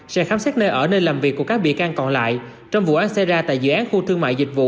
sẽ khám xét nơi ở nơi làm việc của các bị can còn lại trong vụ án xảy ra tại dự án khu thương mại dịch vụ